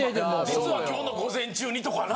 実は今日の午前中にとかな。